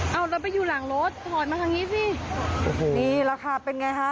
เอาเราไปอยู่หลังรถถอดมาทางนี้สินี่ราคาเป็นไงฮะ